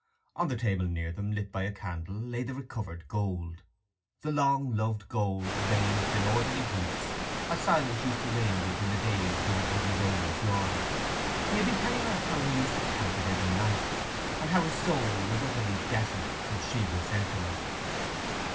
On the table near them, lit by a candle, lay the recovered gold—the old long loved gold, ranged in orderly heaps, as Silas used to range it in the days when it was his only joy. He had been telling her how he used to count it every night, and how his soul was utterly desolate till she was sent to him.